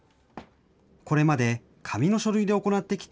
これまで紙の書類で行ってきた